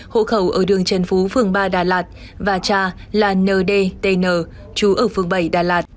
hộ khẩu ở đường trần phú phường ba đà lạt và cha là ndtn chú ở phường bảy đà lạt